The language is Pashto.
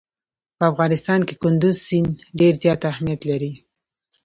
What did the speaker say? په افغانستان کې کندز سیند ډېر زیات اهمیت لري.